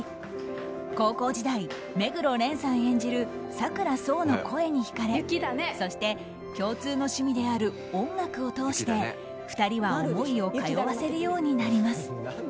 高校時代、目黒蓮さん演じる佐倉想の声に引かれそして共通の趣味である音楽を通して２人は思いを通わせるようになります。